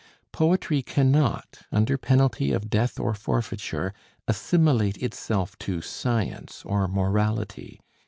Poetry cannot, under penalty of death or forfeiture, assimilate itself to science or morality.